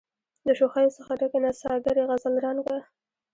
د شوخیو څخه ډکي نڅاګرې غزل رنګه